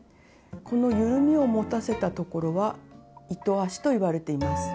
このゆるみを持たせたところは「糸足」といわれています。